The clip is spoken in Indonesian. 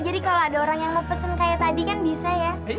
jadi kalau ada orang yang mau pesen kayak tadi kan bisa ya